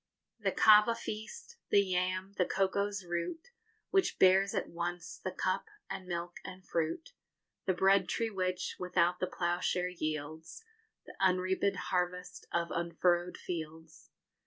The cava feast, the yam, the cocoa's root, Which bears at once the cup, and milk, and fruit, The bread tree which, without the ploughshare, yields _The unreap'd harvest of unfurrowed fields.